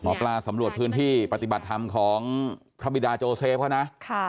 หมอปลาสำรวจพื้นที่ปฏิบัติธรรมของพระบิดาโจเซฟเขานะ